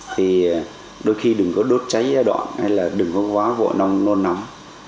thì đôi khi đừng có đốt cháy giai đoạn hay là đừng có quá vội nông nôn nóng